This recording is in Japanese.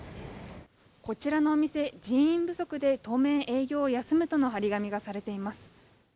こちらのお店、人員不足で当面営業を休むとの貼り紙がされています。